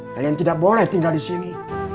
kalian tidak boleh tinggal di sini